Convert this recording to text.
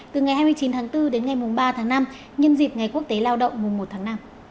từ ngày hai mươi chín tháng bốn đến ngày mùng ba tháng năm nhân dịp ngày quốc tế lao động mùa một tháng năm